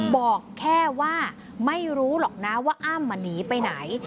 บอกแค่ว่าไม่รู้หรอกนะว่าอ้ำหนีไปไหน